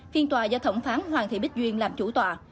phiên tòa do thẩm phán hoàng thị bích duyên làm chủ tòa